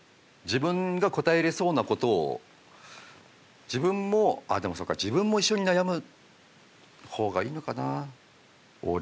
自分が答えれそうなことを自分もあでもそうか自分も一緒に悩む方がいいのかな。